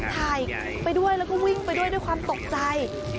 ถ่ายไปด้วยแล้วก็วิ่งไปด้วยด้วยความตกใจ